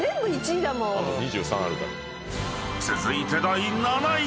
［続いて第７位］